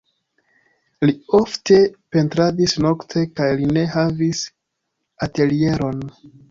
Li ofte pentradis nokte kaj li ne havis atelieron.